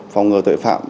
phòng ngừa tội phạm